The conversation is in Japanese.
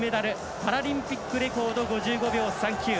パラリンピックレコード５５秒３９。